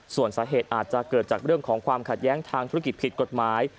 ส่วนสาเหตุอาจจะเกิดจากเรื่องของความขัดแย้งทางธุรกิจผิดกฎหมาย